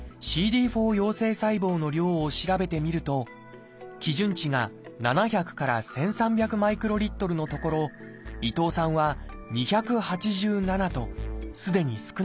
４陽性細胞の量を調べてみると基準値が７００から１，３００マイクロリットルのところ伊藤さんは２８７とすでに少なくなっていました。